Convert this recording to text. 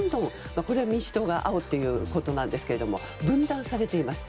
これは民主党が青ということですが分断されています。